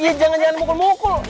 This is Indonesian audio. iya jangan jangan mokok mokok